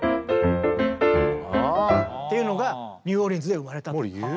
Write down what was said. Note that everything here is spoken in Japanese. っていうのがニューオーリンズで生まれたと。